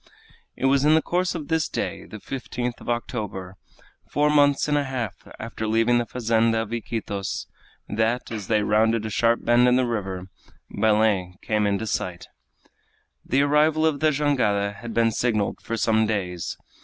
It was in the course of this day, the 15th of October four months and a half after leaving the fazenda of Iquitos that, as they rounded a sharp bend in the river, Belem came into sight. The arrival of the jangada had been signaled for some days.